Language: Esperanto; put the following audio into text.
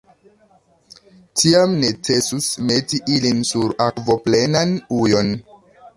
Tiam necesus meti ilin sur akvoplenan ujon.